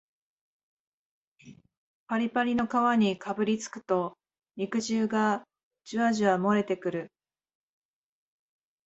パリパリの皮にかぶりつくと肉汁がジュワジュワもれてくる